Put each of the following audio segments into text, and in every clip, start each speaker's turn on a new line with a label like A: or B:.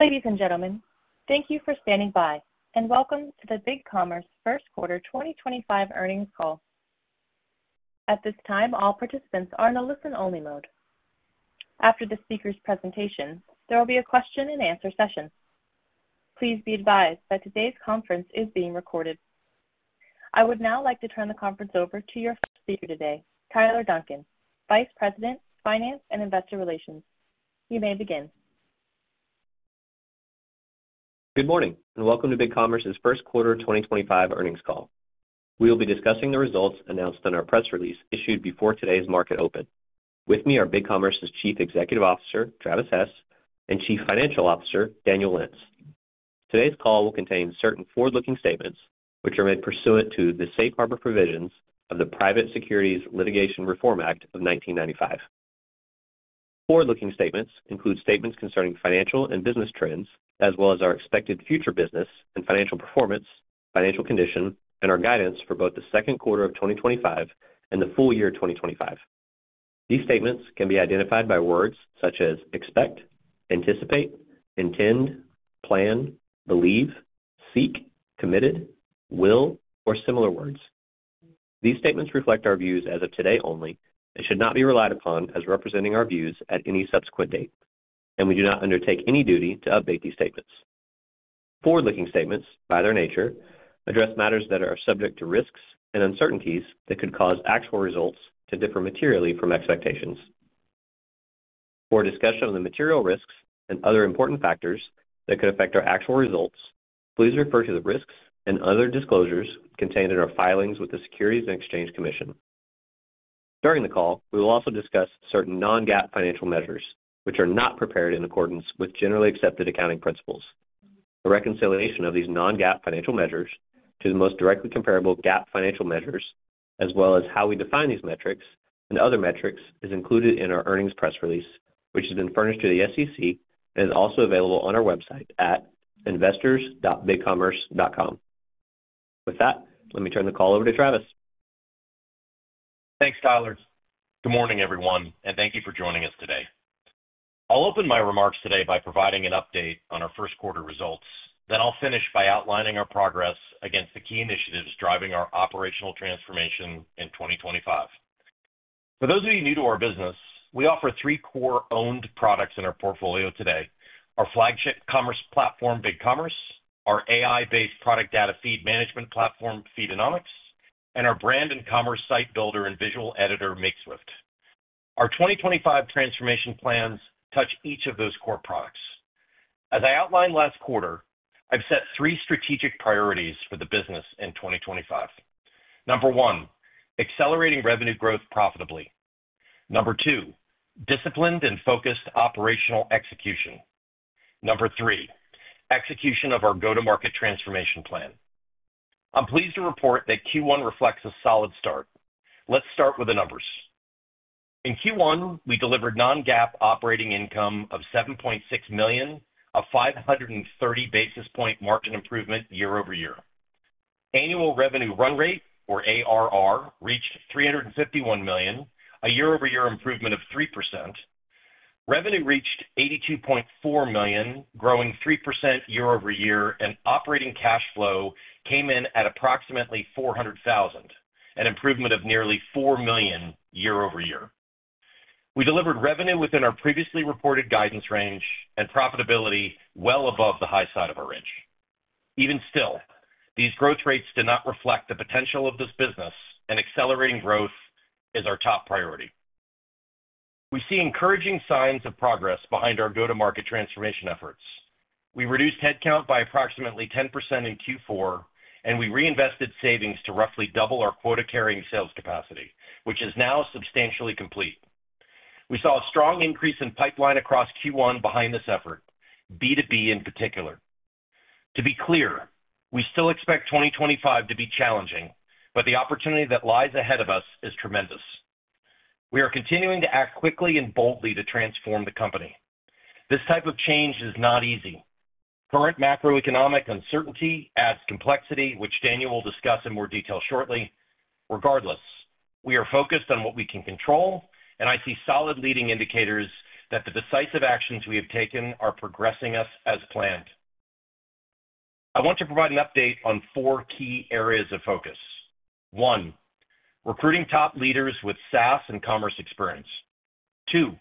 A: Ladies and gentlemen, thank you for standing by, and welcome to the BigCommerce First Quarter 2025 earnings call. At this time, all participants are in a listen-only mode. After the speaker's presentation, there will be a question-and-answer session. Please be advised that today's conference is being recorded. I would now like to turn the conference over to your first speaker today, Tyler Duncan, Vice President, Finance and Investor Relations. You may begin.
B: Good morning, and welcome to BigCommerce's First Quarter 2025 earnings call. We will be discussing the results announced in our press release issued before today's market open. With me are BigCommerce's Chief Executive Officer, Travis Hess, and Chief Financial Officer, Daniel Lentz. Today's call will contain certain forward-looking statements, which are made pursuant to the Safe Harbor Provisions of the Private Securities Litigation Reform Act of 1995. Forward-looking statements include statements concerning financial and business trends, as well as our expected future business and financial performance, financial condition, and our guidance for both the second quarter of 2025 and the full year 2025. These statements can be identified by words such as expect, anticipate, intend, plan, believe, seek, committed, will, or similar words. These statements reflect our views as of today only and should not be relied upon as representing our views at any subsequent date, and we do not undertake any duty to update these statements. Forward-looking statements, by their nature, address matters that are subject to risks and uncertainties that could cause actual results to differ materially from expectations. For discussion of the material risks and other important factors that could affect our actual results, please refer to the risks and other disclosures contained in our filings with the Securities and Exchange Commission. During the call, we will also discuss certain non-GAAP financial measures, which are not prepared in accordance with generally accepted accounting principles. The reconciliation of these non-GAAP financial measures to the most directly comparable GAAP financial measures, as well as how we define these metrics and other metrics, is included in our earnings press release, which has been furnished to the SEC and is also available on our website at investors.bigcommerce.com. With that, let me turn the call over to Travis.
C: Thanks, Tyler. Good morning, everyone, and thank you for joining us today. I'll open my remarks today by providing an update on our first quarter results, then I'll finish by outlining our progress against the key initiatives driving our operational transformation in 2025. For those of you new to our business, we offer three core owned products in our portfolio today: our flagship commerce platform, BigCommerce; our AI-based product data feed management platform, Feedonomics; and our brand and commerce site builder and visual editor, Makeswift. Our 2025 transformation plans touch each of those core products. As I outlined last quarter, I've set three strategic priorities for the business in 2025. Number one, accelerating revenue growth profitably. Number two, disciplined and focused operational execution. Number three, execution of our go-to-market transformation plan. I'm pleased to report that Q1 reflects a solid start. Let's start with the numbers. In Q1, we delivered non-GAAP operating income of $7.6 million, a 530 basis point margin improvement year over year. Annual revenue run rate, or ARR, reached $351 million, a year-over-year improvement of 3%. Revenue reached $82.4 million, growing 3% year-over-year, and operating cash flow came in at approximately $400,000, an improvement of nearly $4 million year-over-year. We delivered revenue within our previously reported guidance range and profitability well above the high side of our range. Even still, these growth rates do not reflect the potential of this business, and accelerating growth is our top priority. We see encouraging signs of progress behind our go-to-market transformation efforts. We reduced headcount by approximately 10% in Q4, and we reinvested savings to roughly double our quota-carrying sales capacity, which is now substantially complete. We saw a strong increase in pipeline across Q1 behind this effort, B2B in particular. To be clear, we still expect 2025 to be challenging, but the opportunity that lies ahead of us is tremendous. We are continuing to act quickly and boldly to transform the company. This type of change is not easy. Current macroeconomic uncertainty adds complexity, which Daniel will discuss in more detail shortly. Regardless, we are focused on what we can control, and I see solid leading indicators that the decisive actions we have taken are progressing us as planned. I want to provide an update on four key areas of focus. One, recruiting top leaders with SaaS and commerce experience. Two,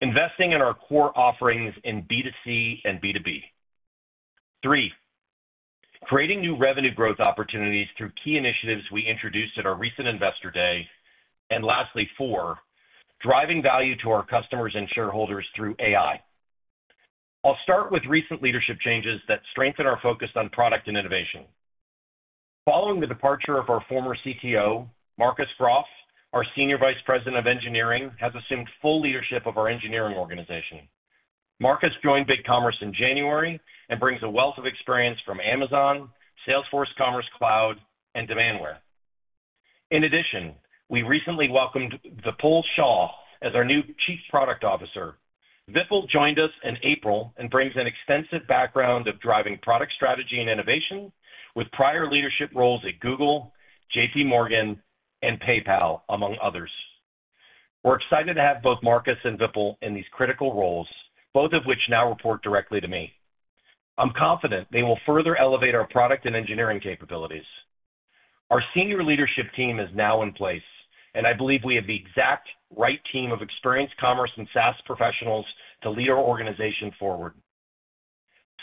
C: investing in our core offerings in B2C and B2B. Three, creating new revenue growth opportunities through key initiatives we introduced at our recent investor day. And lastly, four, driving value to our customers and shareholders through AI. I'll start with recent leadership changes that strengthen our focus on product and innovation. Following the departure of our former CTO, Marcus Groff, our Senior Vice President of Engineering has assumed full leadership of our engineering organization. Marcus joined BigCommerce in January and brings a wealth of experience from Amazon, Salesforce Commerce Cloud, and Demandware. In addition, we recently welcomed Vipul Shah as our new Chief Product Officer. Vipul joined us in April and brings an extensive background of driving product strategy and innovation with prior leadership roles at Google, JPMorgan, and PayPal, among others. We're excited to have both Marcus and Vipul in these critical roles, both of which now report directly to me. I'm confident they will further elevate our product and engineering capabilities. Our senior leadership team is now in place, and I believe we have the exact right team of experienced commerce and SaaS professionals to lead our organization forward.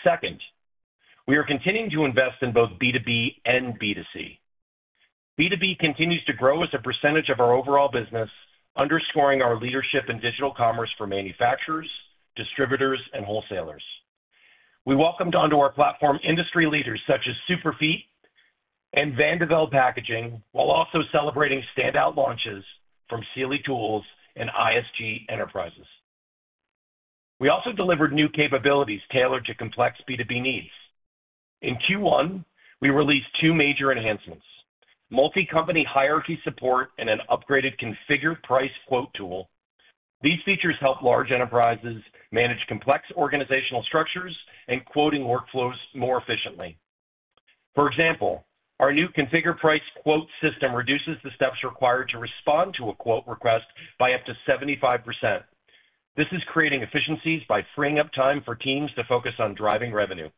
C: Second, we are continuing to invest in both B2B and B2C. B2B continues to grow as a percentage of our overall business, underscoring our leadership in digital commerce for manufacturers, distributors, and wholesalers. We welcomed onto our platform industry leaders such as Superfeet and Vandeville Packaging, while also celebrating standout launches from Sealy Tools and ISG Enterprises. We also delivered new capabilities tailored to complex B2B needs. In Q1, we released two major enhancements: multi-company hierarchy support and an upgraded configured price quote tool. These features help large enterprises manage complex organizational structures and quoting workflows more efficiently. For example, our new configured price quote system reduces the steps required to respond to a quote request by up to 75%. This is creating efficiencies by freeing up time for teams to focus on driving revenue.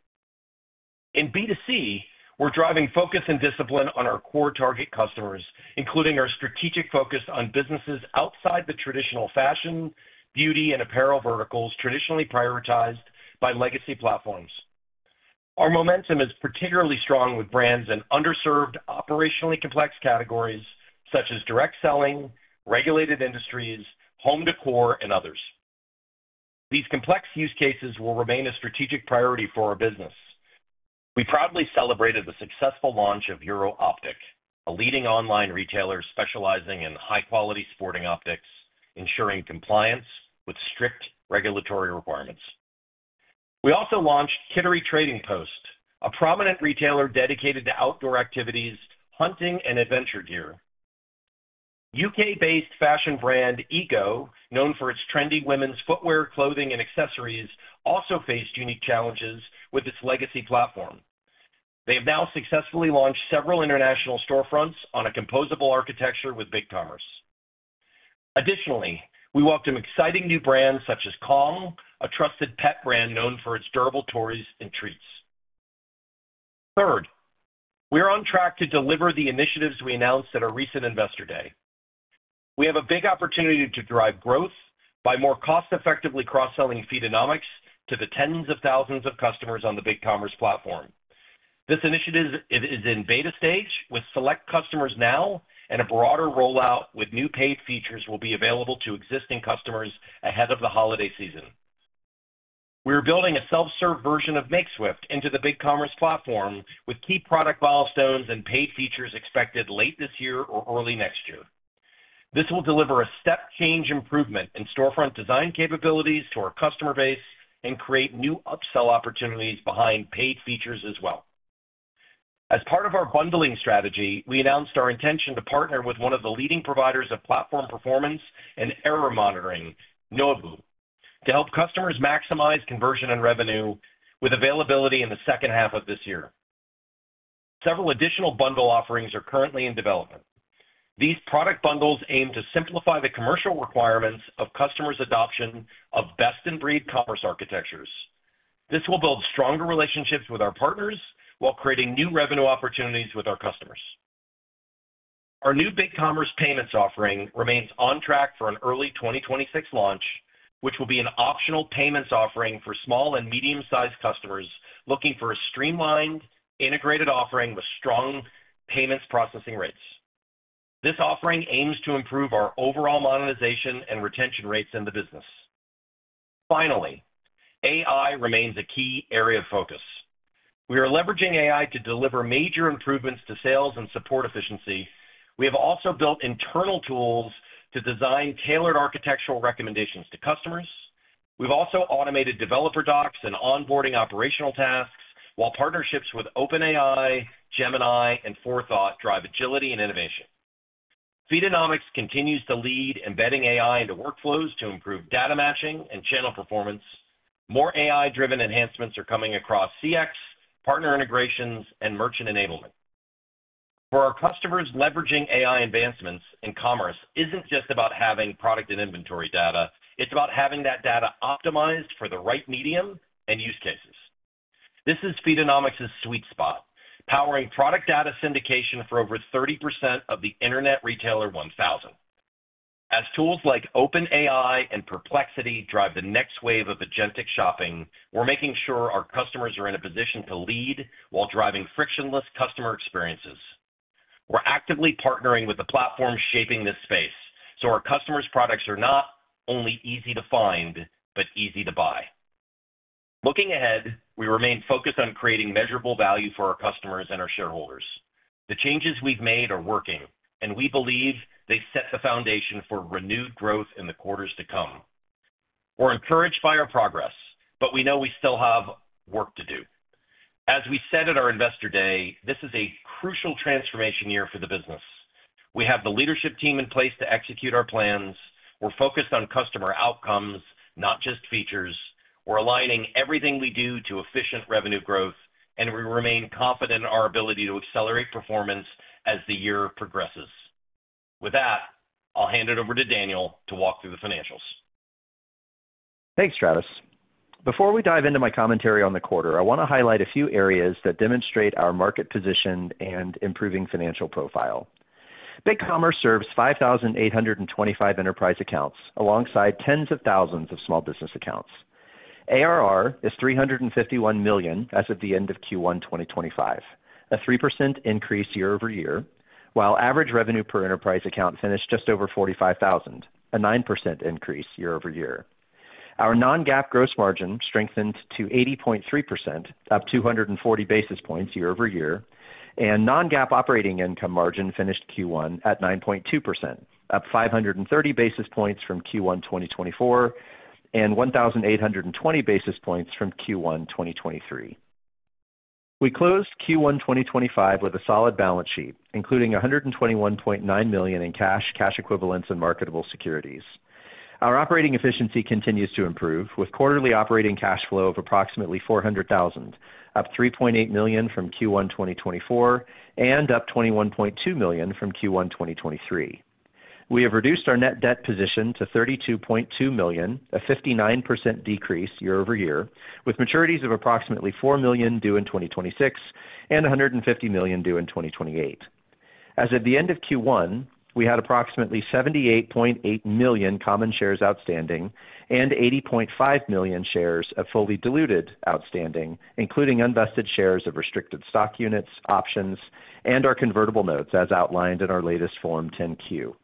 C: In B2C, we're driving focus and discipline on our core target customers, including our strategic focus on businesses outside the traditional fashion, beauty, and apparel verticals traditionally prioritized by legacy platforms. Our momentum is particularly strong with brands in underserved, operationally complex categories such as direct selling, regulated industries, home decor, and others. These complex use cases will remain a strategic priority for our business. We proudly celebrated the successful launch of EuroOptic, a leading online retailer specializing in high-quality sporting optics, ensuring compliance with strict regulatory requirements. We also launched Kittery Trading Post, a prominent retailer dedicated to outdoor activities, hunting, and adventure gear. U.K.-based fashion brand EGO, known for its trendy women's footwear, clothing, and accessories, also faced unique challenges with its legacy platform. They have now successfully launched several international storefronts on a composable architecture with BigCommerce. Additionally, we welcome exciting new brands such as Kong, a trusted pet brand known for its durable toys and treats. Third, we are on track to deliver the initiatives we announced at our recent investor day. We have a big opportunity to drive growth by more cost-effectively cross-selling Feedonomics to the tens of thousands of customers on the BigCommerce platform. This initiative is in beta stage, with select customers now, and a broader rollout with new paid features will be available to existing customers ahead of the holiday season. We are building a self-serve version of Makeswift into the BigCommerce platform with key product milestones and paid features expected late this year or early next year. This will deliver a step-change improvement in storefront design capabilities to our customer base and create new upsell opportunities behind paid features as well. As part of our bundling strategy, we announced our intention to partner with one of the leading providers of platform performance and error monitoring, Nobu, to help customers maximize conversion and revenue with availability in the second half of this year. Several additional bundle offerings are currently in development. These product bundles aim to simplify the commercial requirements of customers' adoption of best-in-breed commerce architectures. This will build stronger relationships with our partners while creating new revenue opportunities with our customers. Our new BigCommerce payments offering remains on track for an early 2026 launch, which will be an optional payments offering for small and medium-sized customers looking for a streamlined, integrated offering with strong payments processing rates. This offering aims to improve our overall monetization and retention rates in the business. Finally, AI remains a key area of focus. We are leveraging AI to deliver major improvements to sales and support efficiency. We have also built internal tools to design tailored architectural recommendations to customers. We've also automated developer docs and onboarding operational tasks, while partnerships with OpenAI, Gemini, and Forethought drive agility and innovation. Feedonomics continues to lead embedding AI into workflows to improve data matching and channel performance. More AI-driven enhancements are coming across CX, partner integrations, and merchant enablement. For our customers, leveraging AI advancements in commerce isn't just about having product and inventory data; it's about having that data optimized for the right medium and use cases. This is Feedonomics' sweet spot, powering product data syndication for over 30% of the Internet Retailer 1000. As tools like OpenAI and Perplexity drive the next wave of agentic shopping, we're making sure our customers are in a position to lead while driving frictionless customer experiences. We're actively partnering with the platforms shaping this space so our customers' products are not only easy to find but easy to buy. Looking ahead, we remain focused on creating measurable value for our customers and our shareholders. The changes we've made are working, and we believe they set the foundation for renewed growth in the quarters to come. We're encouraged by our progress, but we know we still have work to do. As we said at our investor day, this is a crucial transformation year for the business. We have the leadership team in place to execute our plans. We're focused on customer outcomes, not just features. We're aligning everything we do to efficient revenue growth, and we remain confident in our ability to accelerate performance as the year progresses. With that, I'll hand it over to Daniel to walk through the financials.
D: Thanks, Travis. Before we dive into my commentary on the quarter, I want to highlight a few areas that demonstrate our market position and improving financial profile. BigCommerce serves 5,825 enterprise accounts alongside tens of thousands of small business accounts. ARR is $351 million as of the end of Q1 2025, a 3% increase year-over-year, while average revenue per enterprise account finished just over $45,000, a 9% increase year-over-year. Our non-GAAP gross margin strengthened to 80.3%, up 240 basis points year-over-year, and non-GAAP operating income margin finished Q1 at 9.2%, up 530 basis points from Q1 2024 and 1,820 basis points from Q1 2023. We closed Q1 2025 with a solid balance sheet, including $121.9 million in cash, cash equivalents, and marketable securities. Our operating efficiency continues to improve, with quarterly operating cash flow of approximately $400,000, up $3.8 million from Q1 2024 and up $21.2 million from Q1 2023. We have reduced our net debt position to $32.2 million, a 59% decrease year-over-year, with maturities of approximately $4 million due in 2026 and $150 million due in 2028. As of the end of Q1, we had approximately 78.8 million common shares outstanding and 80.5 million shares of fully diluted outstanding, including unvested shares of restricted stock units, options, and our convertible notes, as outlined in our latest Form 10-Q.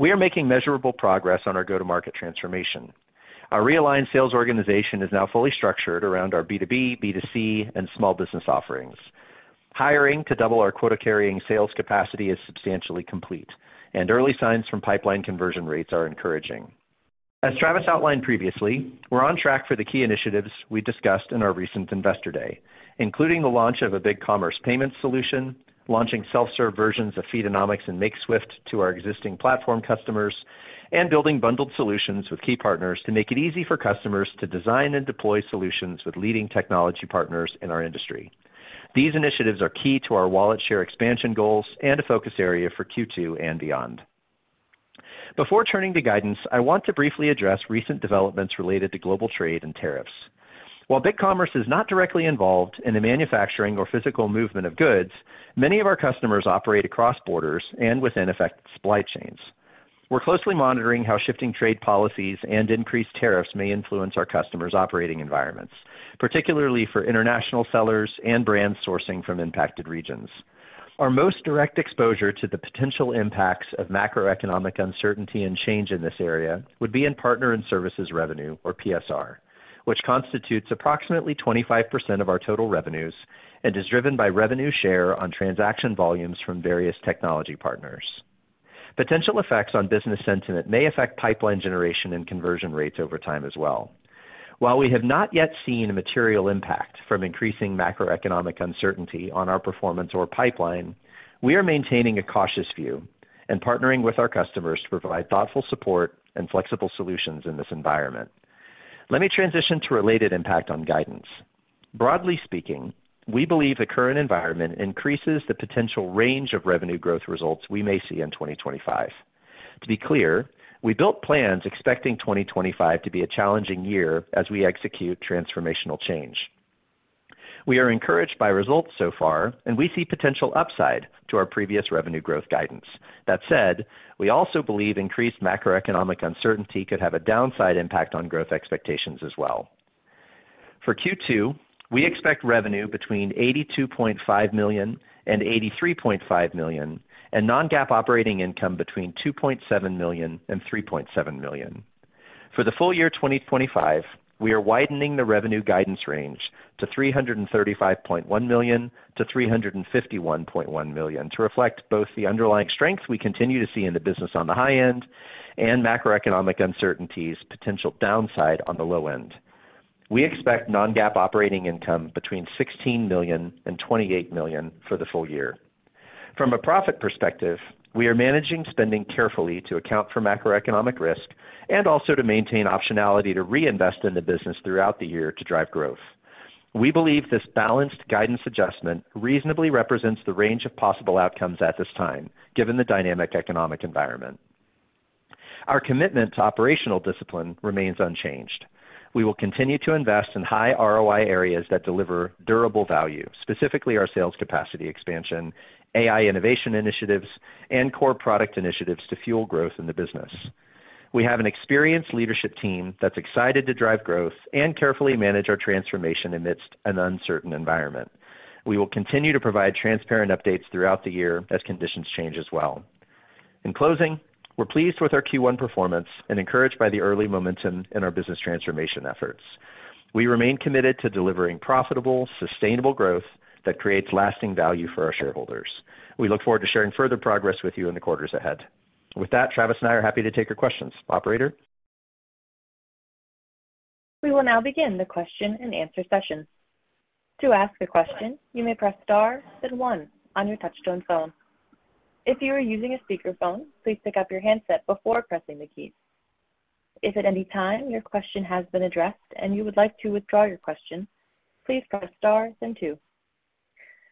D: We are making measurable progress on our go-to-market transformation. Our realigned sales organization is now fully structured around our B2B, B2C, and small business offerings. Hiring to double our quota-carrying sales capacity is substantially complete, and early signs from pipeline conversion rates are encouraging. As Travis outlined previously, we're on track for the key initiatives we discussed in our recent investor day, including the launch of a BigCommerce payments solution, launching self-serve versions of Feedonomics and Makeswift to our existing platform customers, and building bundled solutions with key partners to make it easy for customers to design and deploy solutions with leading technology partners in our industry. These initiatives are key to our wallet share expansion goals and a focus area for Q2 and beyond. Before turning to guidance, I want to briefly address recent developments related to global trade and tariffs. While BigCommerce is not directly involved in the manufacturing or physical movement of goods, many of our customers operate across borders and within affected supply chains. We're closely monitoring how shifting trade policies and increased tariffs may influence our customers' operating environments, particularly for international sellers and brands sourcing from impacted regions. Our most direct exposure to the potential impacts of macroeconomic uncertainty and change in this area would be in partner and services revenue, or PSR, which constitutes approximately 25% of our total revenues and is driven by revenue share on transaction volumes from various technology partners. Potential effects on business sentiment may affect pipeline generation and conversion rates over time as well. While we have not yet seen a material impact from increasing macroeconomic uncertainty on our performance or pipeline, we are maintaining a cautious view and partnering with our customers to provide thoughtful support and flexible solutions in this environment. Let me transition to related impact on guidance. Broadly speaking, we believe the current environment increases the potential range of revenue growth results we may see in 2025. To be clear, we built plans expecting 2025 to be a challenging year as we execute transformational change. We are encouraged by results so far, and we see potential upside to our previous revenue growth guidance. That said, we also believe increased macroeconomic uncertainty could have a downside impact on growth expectations as well. For Q2, we expect revenue between $82.5 million and $83.5 million and non-GAAP operating income between $2.7 million and $3.7 million. For the full year 2025, we are widening the revenue guidance range to $335.1 million-$351.1 million to reflect both the underlying strengths we continue to see in the business on the high end and macroeconomic uncertainties' potential downside on the low end. We expect non-GAAP operating income between $16 million and $28 million for the full year. From a profit perspective, we are managing spending carefully to account for macroeconomic risk and also to maintain optionality to reinvest in the business throughout the year to drive growth. We believe this balanced guidance adjustment reasonably represents the range of possible outcomes at this time, given the dynamic economic environment. Our commitment to operational discipline remains unchanged. We will continue to invest in high ROI areas that deliver durable value, specifically our sales capacity expansion, AI innovation initiatives, and core product initiatives to fuel growth in the business. We have an experienced leadership team that is excited to drive growth and carefully manage our transformation amidst an uncertain environment. We will continue to provide transparent updates throughout the year as conditions change as well. In closing, we are pleased with our Q1 performance and encouraged by the early momentum in our business transformation efforts. We remain committed to delivering profitable, sustainable growth that creates lasting value for our shareholders. We look forward to sharing further progress with you in the quarters ahead. With that, Travis and I are happy to take your questions. Operator.
A: We will now begin the question and answer session. To ask a question, you may press star then one on your touch-tone phone. If you are using a speakerphone, please pick up your handset before pressing the keys. If at any time your question has been addressed and you would like to withdraw your question, please press star then two.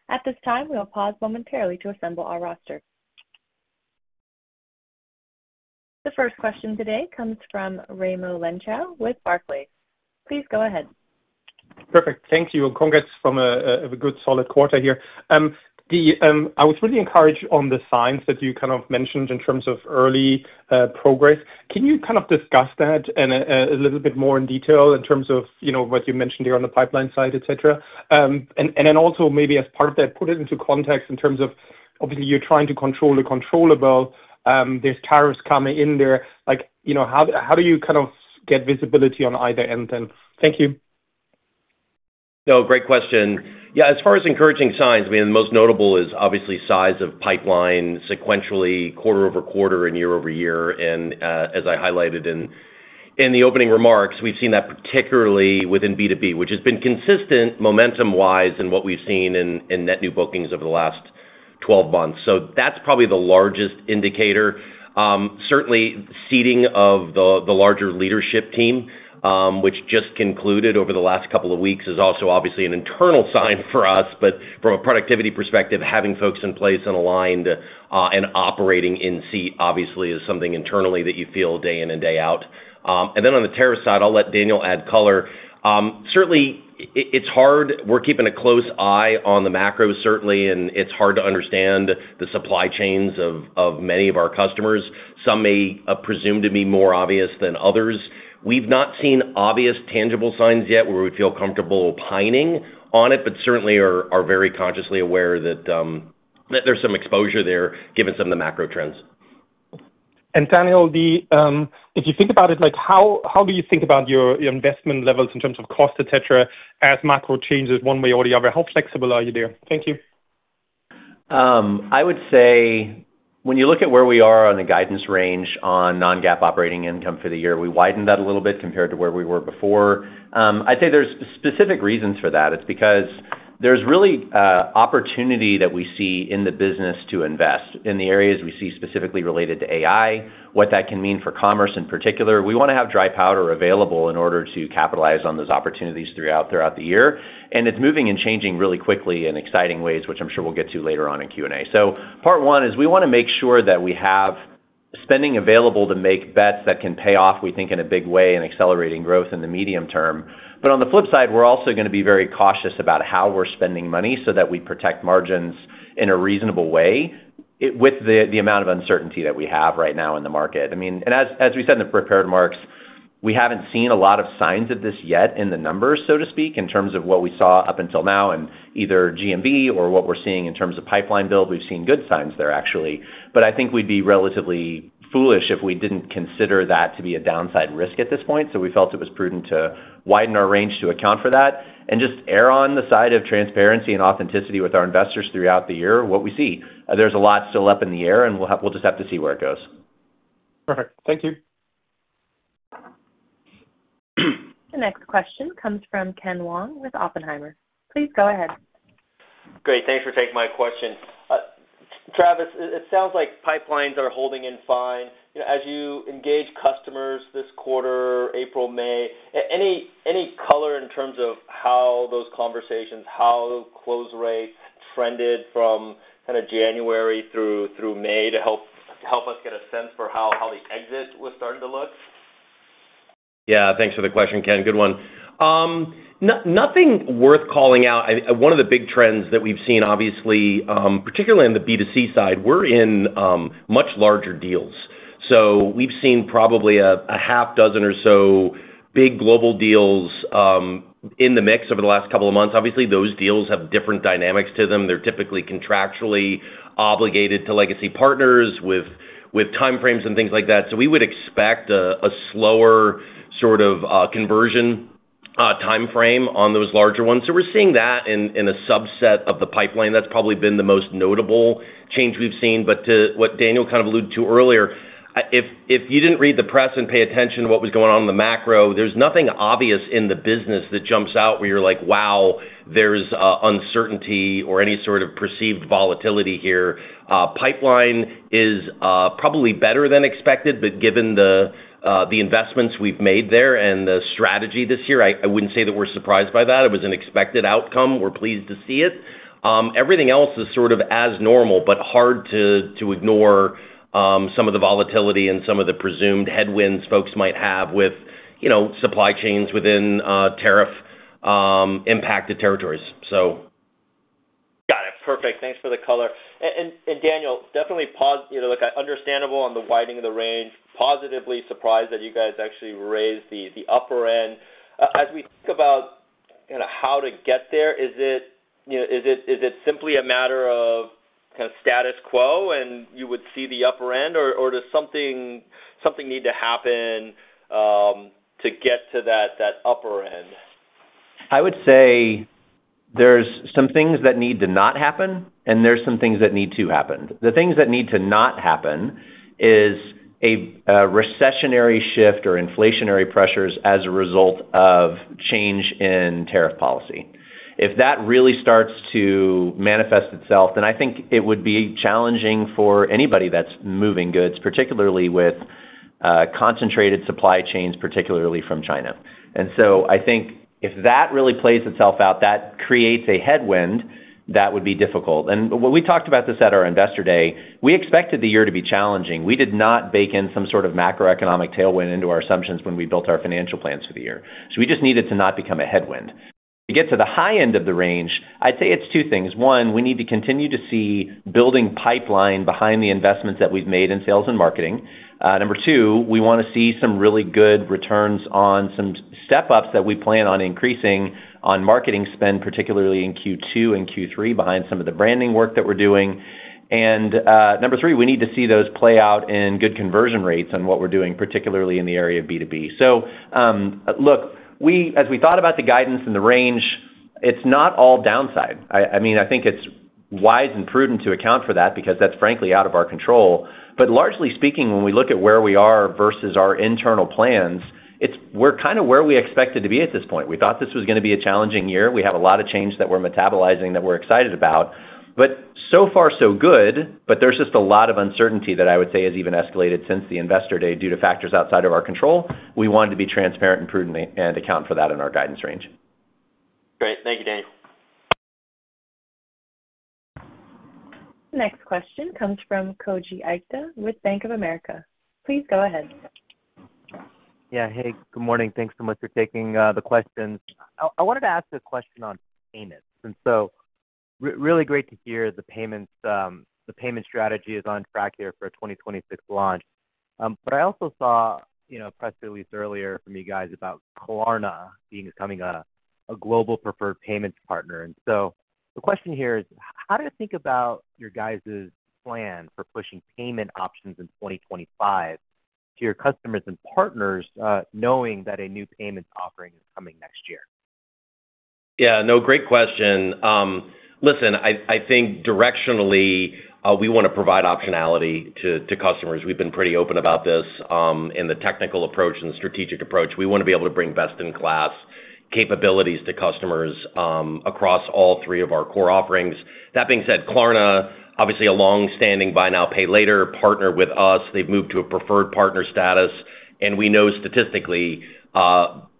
A: At this time, we will pause momentarily to assemble our roster. The first question today comes from Raimo Lenschow with Barclays. Please go ahead.
E: Perfect. Thank you. Congrats on a good solid quarter here. I was really encouraged on the signs that you kind of mentioned in terms of early progress. Can you kind of discuss that a little bit more in detail in terms of what you mentioned here on the pipeline side, etc.? Also, maybe as part of that, put it into context in terms of obviously you're trying to control the controllable, there are tariffs coming in there. How do you kind of get visibility on either end then? Thank you.
C: No, great question. Yeah, as far as encouraging signs, I mean, the most notable is obviously size of pipeline sequentially quarter over quarter and year over year. As I highlighted in the opening remarks, we've seen that particularly within B2B, which has been consistent momentum-wise in what we've seen in net new bookings over the last 12 months. That's probably the largest indicator. Certainly, seating of the larger leadership team, which just concluded over the last couple of weeks, is also obviously an internal sign for us. From a productivity perspective, having folks in place and aligned and operating in C obviously is something internally that you feel day in and day out. On the tariff side, I'll let Daniel add color. Certainly, it's hard. We're keeping a close eye on the macros, certainly, and it's hard to understand the supply chains of many of our customers. Some may presume to be more obvious than others. We've not seen obvious tangible signs yet where we feel comfortable opining on it, but certainly are very consciously aware that there's some exposure there given some of the macro trends.
E: Daniel, if you think about it, how do you think about your investment levels in terms of cost, etc., as macro changes one way or the other? How flexible are you there? Thank you.
D: I would say when you look at where we are on the guidance range on non-GAAP operating income for the year, we widened that a little bit compared to where we were before. I'd say there's specific reasons for that. It's because there's really opportunity that we see in the business to invest in the areas we see specifically related to AI, what that can mean for commerce in particular. We want to have dry powder available in order to capitalize on those opportunities throughout the year. It is moving and changing really quickly in exciting ways, which I'm sure we'll get to later on in Q&A. Part one is we want to make sure that we have spending available to make bets that can pay off, we think, in a big way in accelerating growth in the medium term. On the flip side, we're also going to be very cautious about how we're spending money so that we protect margins in a reasonable way with the amount of uncertainty that we have right now in the market. I mean, as we said in the prepared remarks, we haven't seen a lot of signs of this yet in the numbers, so to speak, in terms of what we saw up until now in either GMV or what we're seeing in terms of pipeline build. We've seen good signs there, actually. I think we'd be relatively foolish if we didn't consider that to be a downside risk at this point. We felt it was prudent to widen our range to account for that and just err on the side of transparency and authenticity with our investors throughout the year with what we see. There's a lot still up in the air, and we'll just have to see where it goes.
E: Perfect. Thank you.
A: The next question comes from Ken Wong with Oppenheimer. Please go ahead.
F: Great. Thanks for taking my question. Travis, it sounds like pipelines are holding in fine. As you engage customers this quarter, April, May, any color in terms of how those conversations, how close rates trended from kind of January through May to help us get a sense for how the exit was starting to look?
C: Yeah. Thanks for the question, Ken. Good one. Nothing worth calling out. One of the big trends that we've seen, obviously, particularly on the B2C side, we're in much larger deals. We've seen probably a half dozen or so big global deals in the mix over the last couple of months. Obviously, those deals have different dynamics to them. They're typically contractually obligated to legacy partners with timeframes and things like that. We would expect a slower sort of conversion timeframe on those larger ones. We're seeing that in a subset of the pipeline. That's probably been the most notable change we've seen. To what Daniel kind of alluded to earlier, if you did not read the press and pay attention to what was going on in the macro, there is nothing obvious in the business that jumps out where you are like, "Wow, there is uncertainty or any sort of perceived volatility here." Pipeline is probably better than expected, but given the investments we have made there and the strategy this year, I would not say that we are surprised by that. It was an expected outcome. We are pleased to see it. Everything else is sort of as normal, but hard to ignore some of the volatility and some of the presumed headwinds folks might have with supply chains within tariff-impacted territories.
F: Got it. Perfect. Thanks for the color. Daniel, definitely pause. Look, I understand on the widening of the range. Positively surprised that you guys actually raised the upper end. As we think about kind of how to get there, is it simply a matter of kind of status quo and you would see the upper end, or does something need to happen to get to that upper end?
D: I would say there's some things that need to not happen, and there's some things that need to happen. The things that need to not happen is a recessionary shift or inflationary pressures as a result of change in tariff policy. If that really starts to manifest itself, then I think it would be challenging for anybody that's moving goods, particularly with concentrated supply chains, particularly from China. I think if that really plays itself out, that creates a headwind that would be difficult. We talked about this at our investor day. We expected the year to be challenging. We did not bake in some sort of macroeconomic tailwind into our assumptions when we built our financial plans for the year. We just needed to not become a headwind. To get to the high end of the range, I'd say it's two things. One, we need to continue to see building pipeline behind the investments that we've made in sales and marketing. Number two, we want to see some really good returns on some step-ups that we plan on increasing on marketing spend, particularly in Q2 and Q3 behind some of the branding work that we're doing. Number three, we need to see those play out in good conversion rates on what we're doing, particularly in the area of B2B. Look, as we thought about the guidance and the range, it's not all downside. I mean, I think it's wise and prudent to account for that because that's frankly out of our control. Largely speaking, when we look at where we are versus our internal plans, we're kind of where we expect it to be at this point. We thought this was going to be a challenging year. We have a lot of change that we're metabolizing that we're excited about. So far, so good, but there's just a lot of uncertainty that I would say has even escalated since the investor day due to factors outside of our control. We want to be transparent and prudent and account for that in our guidance range.
F: Great. Thank you, Daniel.
A: The next question comes from Koji Ikeda with Bank of America. Please go ahead.
G: Yeah. Hey, good morning. Thanks so much for taking the questions. I wanted to ask a question on payments. Really great to hear the payment strategy is on track here for a 2026 launch. I also saw a press release earlier from you guys about Klarna coming on as a global preferred payments partner. The question here is, how do you think about your guys' plan for pushing payment options in 2025 to your customers and partners knowing that a new payment offering is coming next year?
C: Yeah. No, great question. Listen, I think directionally, we want to provide optionality to customers. We've been pretty open about this in the technical approach and the strategic approach. We want to be able to bring best-in-class capabilities to customers across all three of our core offerings. That being said, Klarna, obviously a long-standing buy now, pay later partner with us. They've moved to a preferred partner status. We know statistically,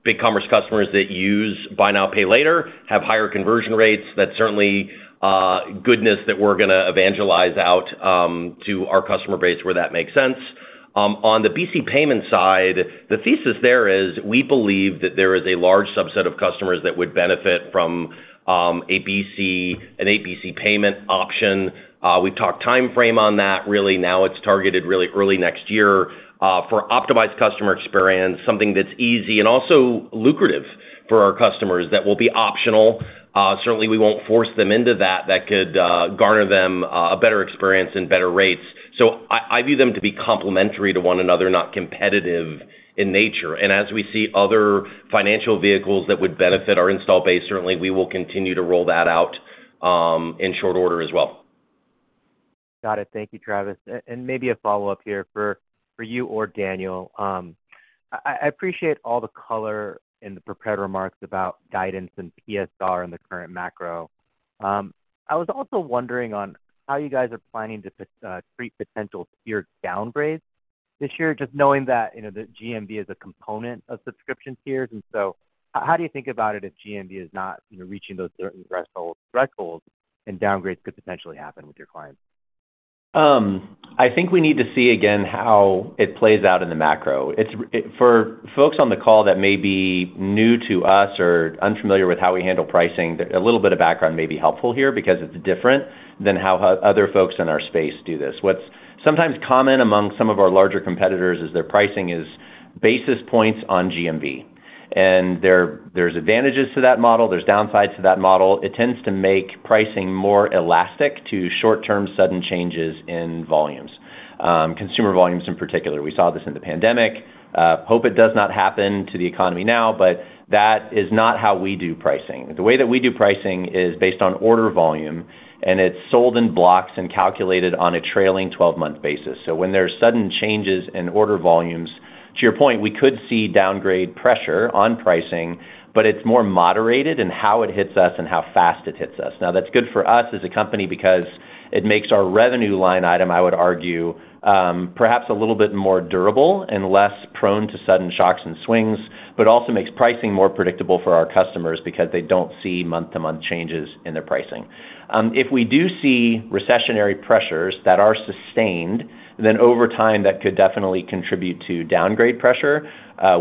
C: BigCommerce customers that use buy now, pay later have higher conversion rates. That's certainly goodness that we're going to evangelize out to our customer base where that makes sense. On the BC payment side, the thesis there is we believe that there is a large subset of customers that would benefit from a BC payment option. We've talked timeframe on that. Really, now it's targeted really early next year for optimized customer experience, something that's easy and also lucrative for our customers that will be optional. Certainly, we won't force them into that. That could garner them a better experience and better rates. I view them to be complementary to one another, not competitive in nature. As we see other financial vehicles that would benefit our install base, certainly we will continue to roll that out in short order as well.
G: Got it. Thank you, Travis. Maybe a follow-up here for you or Daniel. I appreciate all the color in the prepared remarks about guidance and PSR and the current macro. I was also wondering on how you guys are planning to treat potential tier downgrades this year, just knowing that GMV is a component of subscription tiers. How do you think about it if GMV is not reaching those certain thresholds and downgrades could potentially happen with your clients?
C: I think we need to see again how it plays out in the macro. For folks on the call that may be new to us or unfamiliar with how we handle pricing, a little bit of background may be helpful here because it is different than how other folks in our space do this. What is sometimes common among some of our larger competitors is their pricing is basis points on GMV. There are advantages to that model. There are downsides to that model. It tends to make pricing more elastic to short-term sudden changes in volumes, consumer volumes in particular. We saw this in the pandemic. Hope it does not happen to the economy now, but that is not how we do pricing. The way that we do pricing is based on order volume, and it is sold in blocks and calculated on a trailing 12-month basis. When there's sudden changes in order volumes, to your point, we could see downgrade pressure on pricing, but it's more moderated in how it hits us and how fast it hits us. That's good for us as a company because it makes our revenue line item, I would argue, perhaps a little bit more durable and less prone to sudden shocks and swings, but also makes pricing more predictable for our customers because they do not see month-to-month changes in their pricing. If we do see recessionary pressures that are sustained, then over time, that could definitely contribute to downgrade pressure.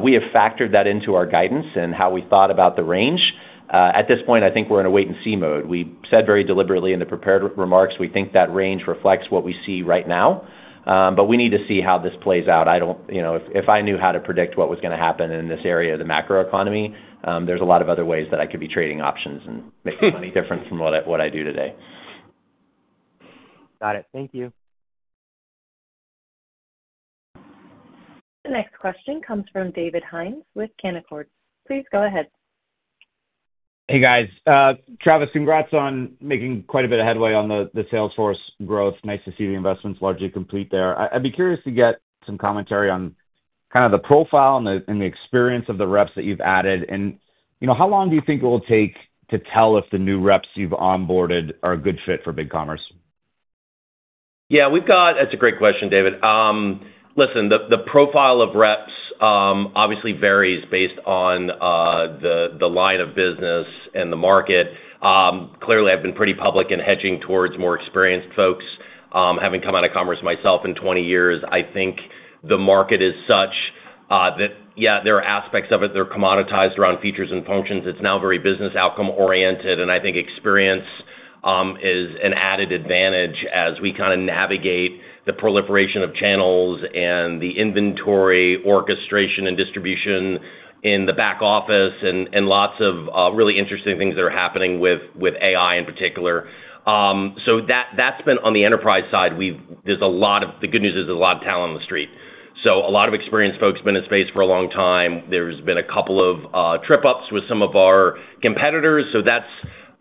C: We have factored that into our guidance and how we thought about the range. At this point, I think we're in a wait-and-see mode. We said very deliberately in the prepared remarks, we think that range reflects what we see right now, but we need to see how this plays out. If I knew how to predict what was going to happen in this area of the macro economy, there's a lot of other ways that I could be trading options and making money different from what I do today.
G: Got it. Thank you.
A: The next question comes from David Hynes with Canaccord. Please go ahead.
H: Hey, guys. Travis, congrats on making quite a bit of headway on the Salesforce growth. Nice to see the investments largely complete there. I'd be curious to get some commentary on kind of the profile and the experience of the reps that you've added. How long do you think it will take to tell if the new reps you've onboarded are a good fit for BigCommerce?
C: Yeah. That's a great question, David. Listen, the profile of reps obviously varies based on the line of business and the market. Clearly, I've been pretty public in hedging towards more experienced folks. Having come out of commerce myself in 20 years, I think the market is such that, yeah, there are aspects of it that are commoditized around features and functions. It's now very business outcome-oriented. I think experience is an added advantage as we kind of navigate the proliferation of channels and the inventory orchestration and distribution in the back office and lots of really interesting things that are happening with AI in particular. That's been on the enterprise side. The good news is there's a lot of talent on the street. A lot of experienced folks have been in the space for a long time. There's been a couple of trip-ups with some of our competitors. That's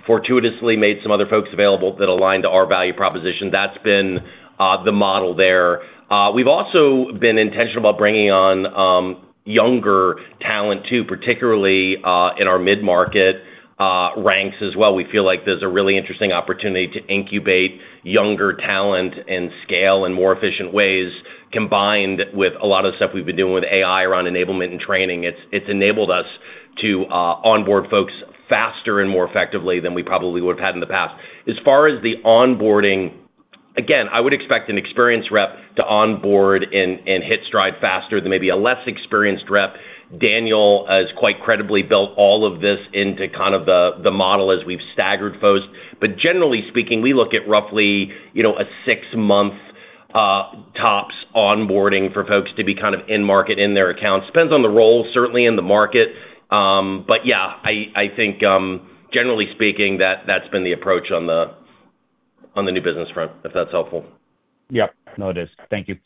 C: fortuitously made some other folks available that align to our value proposition. That's been the model there. We've also been intentional about bringing on younger talent too, particularly in our mid-market ranks as well. We feel like there's a really interesting opportunity to incubate younger talent and scale in more efficient ways combined with a lot of the stuff we've been doing with AI around enablement and training. It's enabled us to onboard folks faster and more effectively than we probably would have had in the past. As far as the onboarding, again, I would expect an experienced rep to onboard and hit stride faster than maybe a less experienced rep. Daniel has quite credibly built all of this into kind of the model as we've staggered folks. Generally speaking, we look at roughly a six-month tops onboarding for folks to be kind of in-market in their accounts. Depends on the role, certainly in the market. But yeah, I think generally speaking, that's been the approach on the new business front, if that's helpful.
H: Yeah. Noticed. Thank you.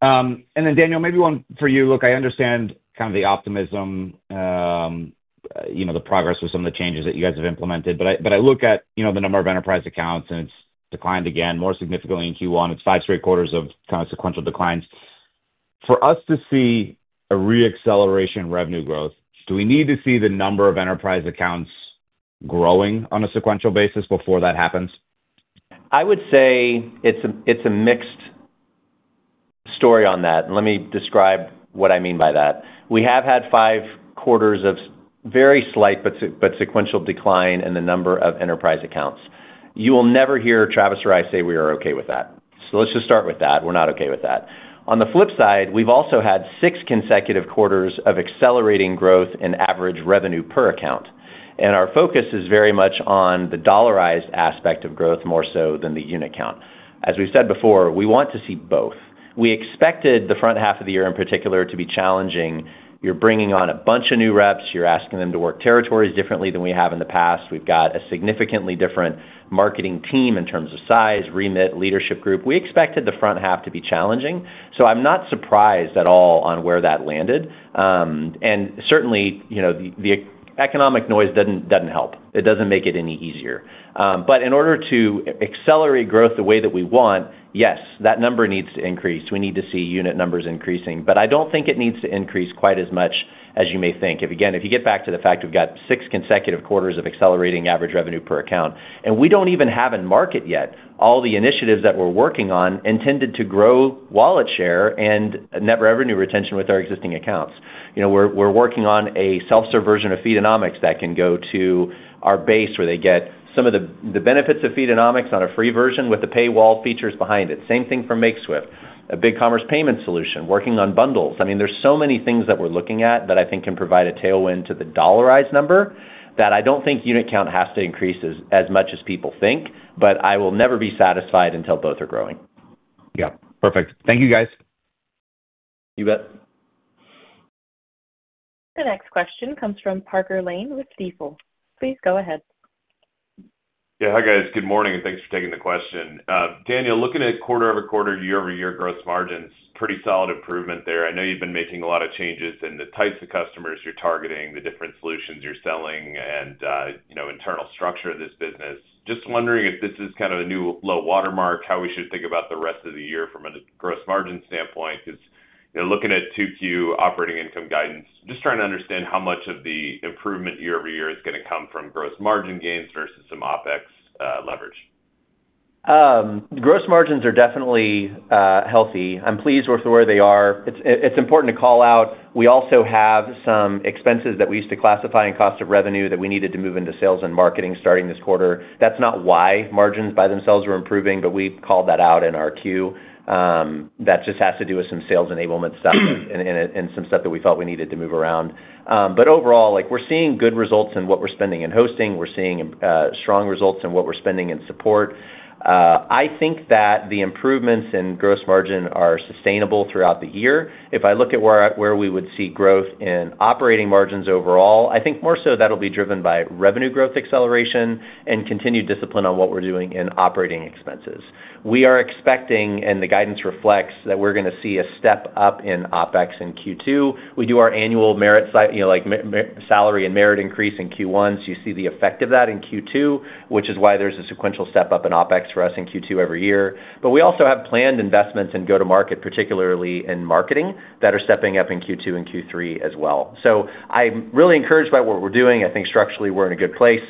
H: Then, Daniel, maybe one for you. Look, I understand kind of the optimism, the progress of some of the changes that you guys have implemented. I look at the number of enterprise accounts, and it's declined again more significantly in Q1. It's five straight quarters of kind of sequential declines. For us to see a re-acceleration revenue growth, do we need to see the number of enterprise accounts growing on a sequential basis before that happens?
D: I would say it's a mixed story on that. Let me describe what I mean by that. We have had five quarters of very slight but sequential decline in the number of enterprise accounts. You will never hear Travis or I say we are okay with that. Let's just start with that. We're not okay with that. On the flip side, we've also had six consecutive quarters of accelerating growth in average revenue per account. Our focus is very much on the dollarized aspect of growth more so than the unit count. As we've said before, we want to see both. We expected the front half of the year in particular to be challenging. You're bringing on a bunch of new reps. You're asking them to work territories differently than we have in the past. We've got a significantly different marketing team in terms of size, remit, leadership group. We expected the front half to be challenging. I'm not surprised at all on where that landed. Certainly, the economic noise doesn't help. It doesn't make it any easier. In order to accelerate growth the way that we want, yes, that number needs to increase. We need to see unit numbers increasing. I don't think it needs to increase quite as much as you may think. Again, if you get back to the fact we've got six consecutive quarters of accelerating average revenue per account, and we don't even have in market yet all the initiatives that we're working on intended to grow wallet share and net revenue retention with our existing accounts. We're working on a self-serve version of Feedonomics that can go to our base where they get some of the benefits of Feedonomics on a free version with the paywall features behind it. Same thing for Makeswift, a BigCommerce payment solution working on bundles. I mean, there's so many things that we're looking at that I think can provide a tailwind to the dollarized number that I don't think unit count has to increase as much as people think, but I will never be satisfied until both are growing.
H: Yeah. Perfect. Thank you, guys.
C: You bet.
A: The next question comes from Parker Lane with Stifel. Please go ahead.
I: Yeah. Hi, guys. Good morning. Thanks for taking the question. Daniel, looking at quarter-over-quarter, year-over-year growth margins, pretty solid improvement there. I know you've been making a lot of changes in the types of customers you're targeting, the different solutions you're selling, and internal structure of this business. Just wondering if this is kind of a new low watermark, how we should think about the rest of the year from a gross margin standpoint because looking at 2Q operating income guidance, just trying to understand how much of the improvement year-over-year is going to come from gross margin gains versus some OpEx leverage.
D: Gross margins are definitely healthy. I'm pleased with where they are. It's important to call out. We also have some expenses that we used to classify in cost of revenue that we needed to move into sales and marketing starting this quarter. That's not why margins by themselves were improving, but we called that out in our Q. That just has to do with some sales enablement stuff and some stuff that we felt we needed to move around. Overall, we're seeing good results in what we're spending in hosting. We're seeing strong results in what we're spending in support. I think that the improvements in gross margin are sustainable throughout the year. If I look at where we would see growth in operating margins overall, I think more so that'll be driven by revenue growth acceleration and continued discipline on what we're doing in operating expenses. We are expecting, and the guidance reflects that we're going to see a step up in OpEx in Q2. We do our annual salary and merit increase in Q1, so you see the effect of that in Q2, which is why there's a sequential step up in OpEx for us in Q2 every year. We also have planned investments in go-to-market, particularly in marketing, that are stepping up in Q2 and Q3 as well. I'm really encouraged by what we're doing. I think structurally, we're in a good place.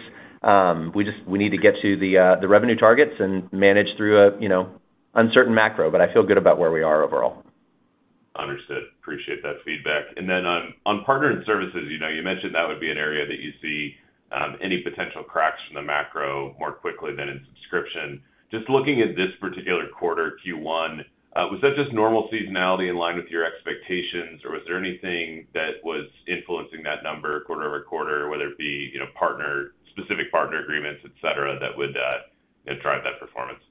D: We need to get to the revenue targets and manage through an uncertain macro, but I feel good about where we are overall.
I: Understood. Appreciate that feedback. Then on partner and services, you mentioned that would be an area that you see any potential cracks from the macro more quickly than in subscription. Just looking at this particular quarter, Q1, was that just normal seasonality in line with your expectations, or was there anything that was influencing that number quarter over quarter, whether it be specific partner agreements, etc., that would drive that performance?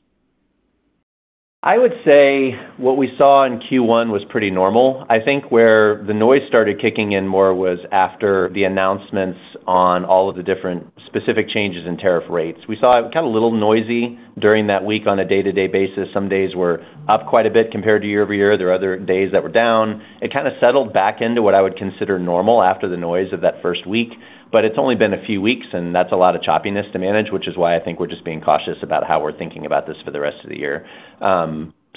D: I would say what we saw in Q1 was pretty normal. I think where the noise started kicking in more was after the announcements on all of the different specific changes in tariff rates. We saw it kind of a little noisy during that week on a day-to-day basis. Some days were up quite a bit compared to year-over-year. There were other days that were down. It kind of settled back into what I would consider normal after the noise of that first week. It has only been a few weeks, and that is a lot of choppiness to manage, which is why I think we are just being cautious about how we are thinking about this for the rest of the year.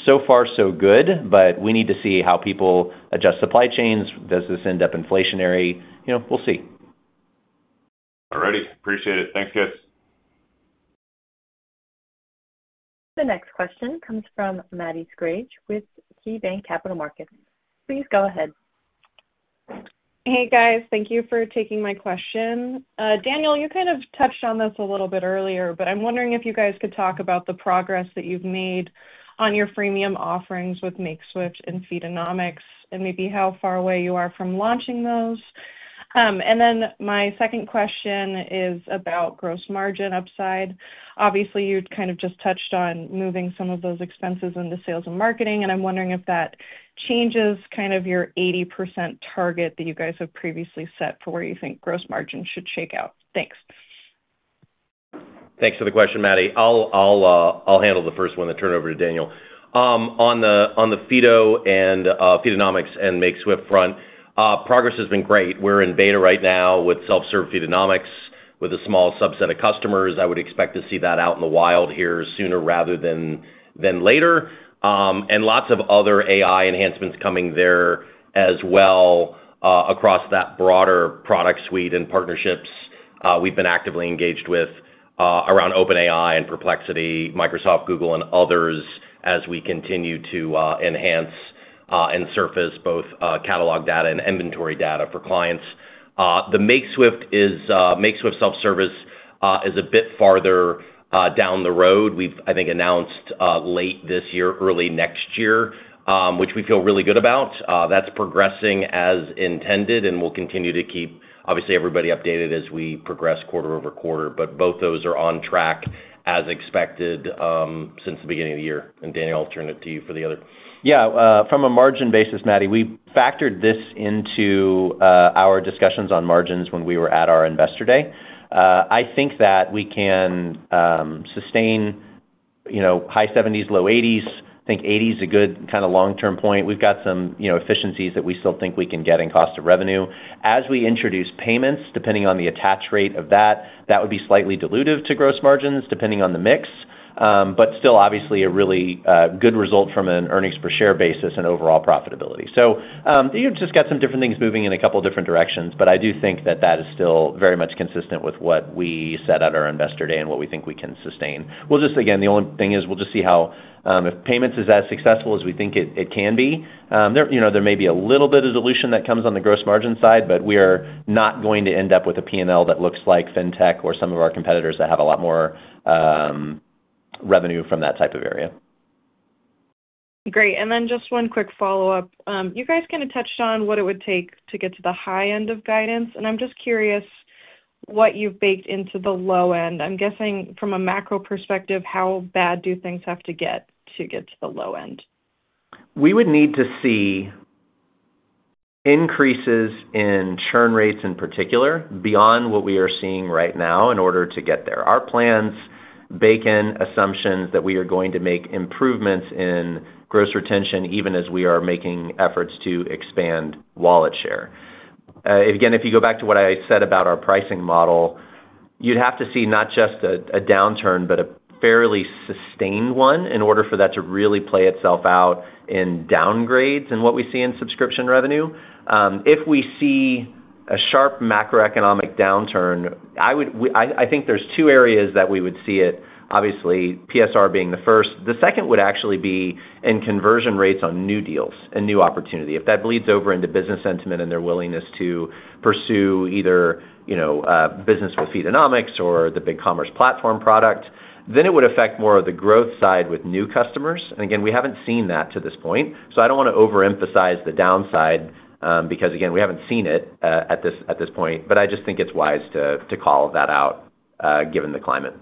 D: So far, so good, but we need to see how people adjust supply chains. Does this end up inflationary? We will see.
I: All righty. Appreciate it. Thanks, guys.
A: The next question comes from Maddie Schrage with KeyBanc Capital Markets. Please go ahead.
J: Hey, guys. Thank you for taking my question. Daniel, you kind of touched on this a little bit earlier, but I'm wondering if you guys could talk about the progress that you've made on your freemium offerings with Makeswift and Feedonomics and maybe how far away you are from launching those. My second question is about gross margin upside. Obviously, you kind of just touched on moving some of those expenses into sales and marketing, and I'm wondering if that changes kind of your 80% target that you guys have previously set for where you think gross margin should shake out. Thanks.
C: Thanks for the question, Maddie. I'll handle the first one and turn it over to Daniel. On the Feedonomics and Makeswift front, progress has been great. We're in beta right now with self-serve Feedonomics with a small subset of customers. I would expect to see that out in the wild here sooner rather than later. Lots of other AI enhancements coming there as well across that broader product suite and partnerships we've been actively engaged with around OpenAI and Perplexity, Microsoft, Google, and others as we continue to enhance and surface both catalog data and inventory data for clients. The Makeswift self-service is a bit farther down the road. We've, I think, announced late this year, early next year, which we feel really good about. That's progressing as intended and will continue to keep, obviously, everybody updated as we progress quarter over quarter. Both those are on track as expected since the beginning of the year. Daniel, I'll turn it to you for the other.
H: Yeah. From a margin basis, Maddie, we factored this into our discussions on margins when we were at our investor day. I think that we can sustain high 70s, low 80s. I think 80 is a good kind of long-term point. We've got some efficiencies that we still think we can get in cost of revenue. As we introduce payments, depending on the attach rate of that, that would be slightly dilutive to gross margins depending on the mix. Obviously, a really good result from an earnings per share basis and overall profitability. You have just got some different things moving in a couple of different directions, but I do think that that is still very much consistent with what we set at our investor day and what we think we can sustain. Again, the only thing is we'll just see how if payments is as successful as we think it can be. There may be a little bit of dilution that comes on the gross margin side, but we are not going to end up with a P&L that looks like FinTech or some of our competitors that have a lot more revenue from that type of area.
J: Great. Just one quick follow-up. You guys kind of touched on what it would take to get to the high end of guidance. I'm just curious what you've baked into the low end. I'm guessing from a macro perspective, how bad do things have to get to get to the low end?
C: We would need to see increases in churn rates in particular beyond what we are seeing right now in order to get there. Our plans bake in assumptions that we are going to make improvements in gross retention even as we are making efforts to expand wallet share. Again, if you go back to what I said about our pricing model, you'd have to see not just a downturn but a fairly sustained one in order for that to really play itself out in downgrades in what we see in subscription revenue. If we see a sharp macroeconomic downturn, I think there's two areas that we would see it, obviously, PSR being the first. The second would actually be in conversion rates on new deals and new opportunity. If that bleeds over into business sentiment and their willingness to pursue either business with Feedonomics or the BigCommerce platform product, it would affect more of the growth side with new customers. Again, we haven't seen that to this point. I don't want to overemphasize the downside because, again, we haven't seen it at this point, but I just think it's wise to call that out given the climate.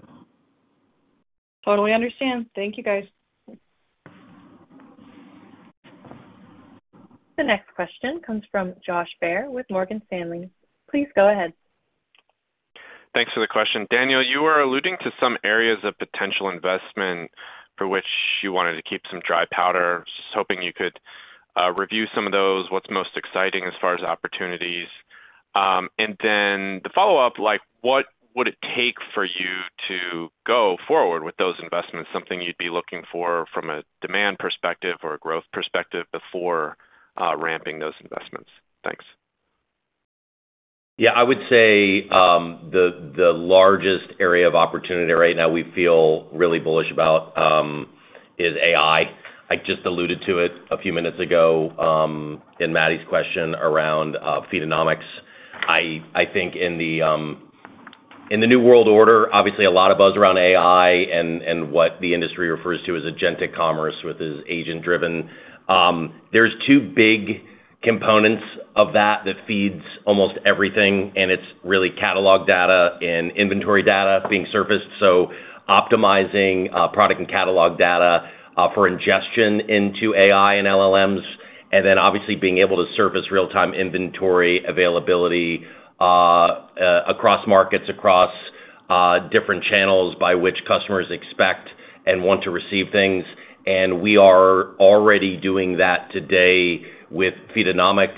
J: Totally understand. Thank you, guys.
A: The next question comes from Josh Baer with Morgan Stanley. Please go ahead.
K: Thanks for the question. Daniel, you were alluding to some areas of potential investment for which you wanted to keep some dry powder. Just hoping you could review some of those, what's most exciting as far as opportunities. The follow-up, what would it take for you to go forward with those investments, something you'd be looking for from a demand perspective or a growth perspective before ramping those investments? Thanks.
C: Yeah. I would say the largest area of opportunity right now we feel really bullish about is AI. I just alluded to it a few minutes ago in Maddie's question around Feedonomics. I think in the new world order, obviously, a lot of buzz around AI and what the industry refers to as agentic commerce with this agent-driven. There are two big components of that that feeds almost everything, and it is really catalog data and inventory data being surfaced. Optimizing product and catalog data for ingestion into AI and LLMs, and then obviously being able to surface real-time inventory availability across markets, across different channels by which customers expect and want to receive things. We are already doing that today with Feedonomics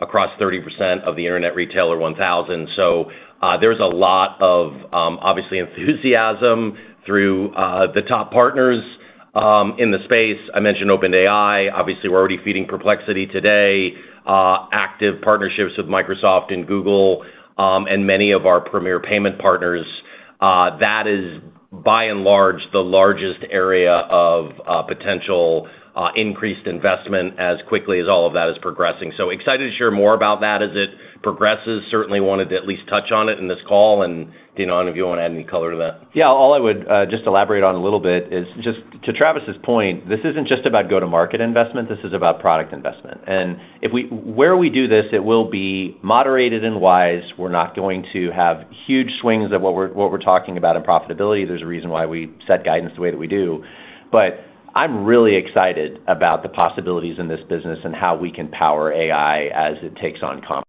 C: across 30% of the Internet Retailer 1000. There is a lot of, obviously, enthusiasm through the top partners in the space. I mentioned OpenAI. Obviously, we're already feeding Perplexity today, active partnerships with Microsoft and Google and many of our premier payment partners. That is, by and large, the largest area of potential increased investment as quickly as all of that is progressing. Excited to hear more about that as it progresses. Certainly wanted to at least touch on it in this call. Daniel, I don't know if you want to add any color to that.
D: Yeah. All I would just elaborate on a little bit is just to Travis's point, this isn't just about go-to-market investment. This is about product investment. Where we do this, it will be moderated and wise. We're not going to have huge swings of what we're talking about in profitability. There's a reason why we set guidance the way that we do. I'm really excited about the possibilities in this business and how we can power AI as it takes on comp.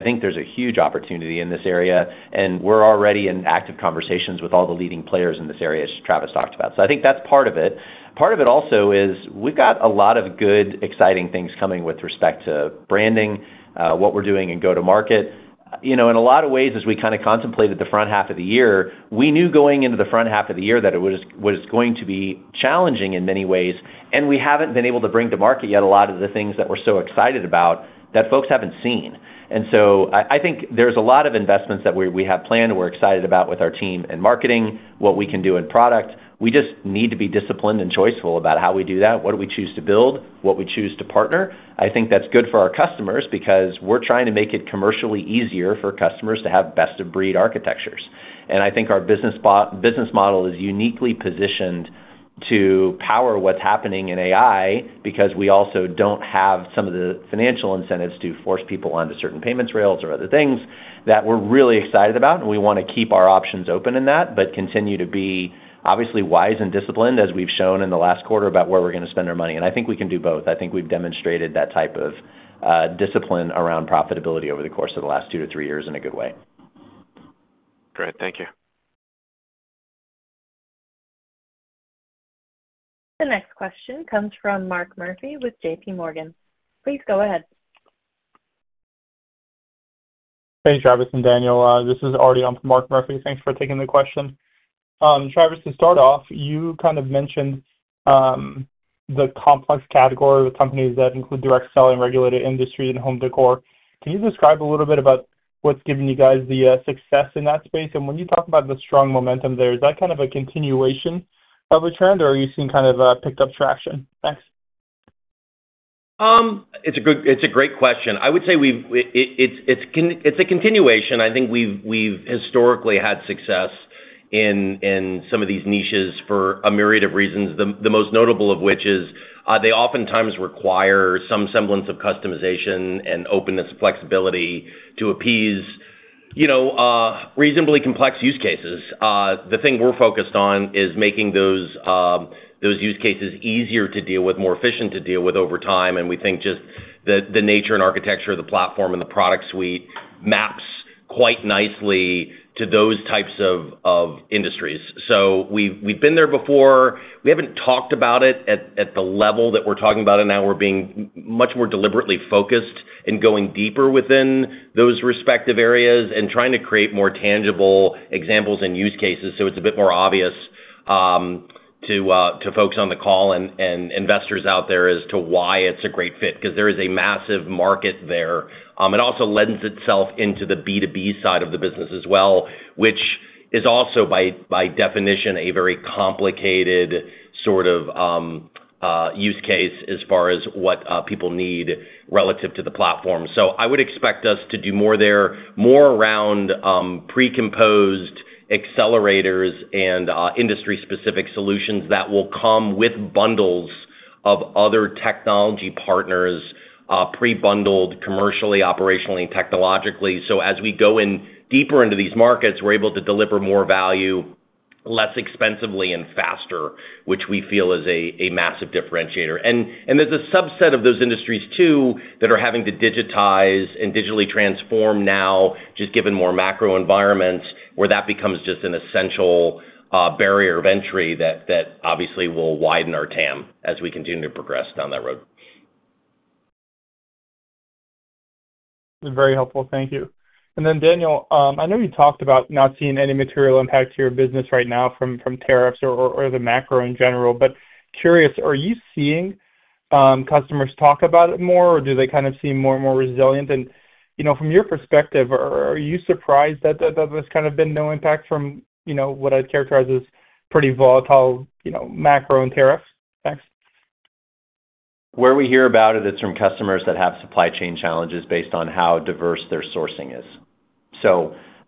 D: I think there's a huge opportunity in this area, and we're already in active conversations with all the leading players in this area as Travis talked about. I think that's part of it. Part of it also is we've got a lot of good, exciting things coming with respect to branding, what we're doing in go-to-market. In a lot of ways, as we kind of contemplated the front half of the year, we knew going into the front half of the year that it was going to be challenging in many ways, and we haven't been able to bring to market yet a lot of the things that we're so excited about that folks haven't seen. I think there is a lot of investments that we have planned and we are excited about with our team and marketing, what we can do in product. We just need to be disciplined and choiceful about how we do that, what we choose to build, what we choose to partner. I think that is good for our customers because we are trying to make it commercially easier for customers to have best-of-breed architectures. I think our business model is uniquely positioned to power what is happening in AI because we also do not have some of the financial incentives to force people onto certain payments rails or other things that we are really excited about, and we want to keep our options open in that but continue to be obviously wise and disciplined as we have shown in the last quarter about where we are going to spend our money. I think we can do both. I think we've demonstrated that type of discipline around profitability over the course of the last two to three years in a good way.
K: Great. Thank you.
A: The next question comes from Mark Murphy with JPMorgan. Please go ahead.
L: Hey, Travis and Daniel. This is Arti on from Mark Murphy. Thanks for taking the question. Travis, to start off, you kind of mentioned the complex category of companies that include direct selling, regulated industry, and home decor. Can you describe a little bit about what's given you guys the success in that space? When you talk about the strong momentum there, is that kind of a continuation of a trend, or are you seeing kind of picked up traction? Thanks.
C: It's a great question. I would say it's a continuation. I think we've historically had success in some of these niches for a myriad of reasons, the most notable of which is they oftentimes require some semblance of customization and openness, flexibility to appease reasonably complex use cases. The thing we're focused on is making those use cases easier to deal with, more efficient to deal with over time. We think just the nature and architecture of the platform and the product suite maps quite nicely to those types of industries. We've been there before. We haven't talked about it at the level that we're talking about it now. We're being much more deliberately focused and going deeper within those respective areas and trying to create more tangible examples and use cases so it's a bit more obvious to folks on the call and investors out there as to why it's a great fit because there is a massive market there. It also lends itself into the B2B side of the business as well, which is also by definition a very complicated sort of use case as far as what people need relative to the platform. I would expect us to do more there, more around precomposed accelerators and industry-specific solutions that will come with bundles of other technology partners, prebundled commercially, operationally, and technologically. As we go in deeper into these markets, we're able to deliver more value less expensively and faster, which we feel is a massive differentiator. There is a subset of those industries too that are having to digitize and digitally transform now, just given more macro environments where that becomes just an essential barrier of entry that obviously will widen our TAM as we continue to progress down that road.
L: Very helpful. Thank you. Daniel, I know you talked about not seeing any material impact to your business right now from tariffs or the macro in general, but curious, are you seeing customers talk about it more, or do they kind of seem more and more resilient? From your perspective, are you surprised that there has kind of been no impact from what I would characterize as pretty volatile macro and tariffs? Thanks.
D: Where we hear about it, it's from customers that have supply chain challenges based on how diverse their sourcing is.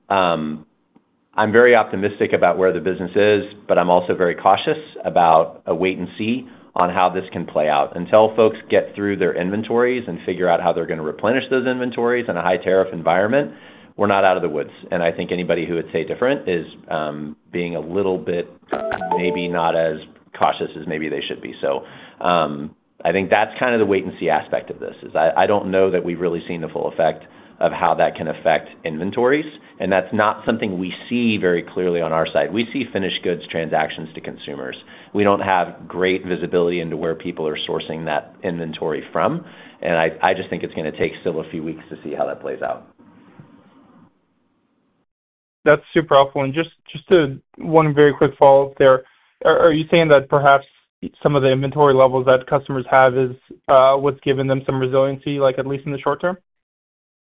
D: I am very optimistic about where the business is, but I am also very cautious about a wait and see on how this can play out. Until folks get through their inventories and figure out how they're going to replenish those inventories in a high tariff environment, we're not out of the woods. I think anybody who would say different is being a little bit maybe not as cautious as maybe they should be. I think that's kind of the wait and see aspect of this is I do not know that we've really seen the full effect of how that can affect inventories, and that's not something we see very clearly on our side. We see finished goods transactions to consumers. We do not have great visibility into where people are sourcing that inventory from, and I just think it is going to take still a few weeks to see how that plays out.
L: That's super helpful. Just one very quick follow-up there. Are you saying that perhaps some of the inventory levels that customers have is what's given them some resiliency, at least in the short term?